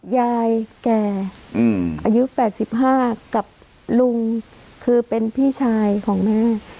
ยายแก่อายุ๘๕กับลุงคือเป็นพี่ชายของแม่